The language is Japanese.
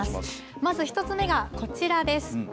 まず１つ目がこちらです。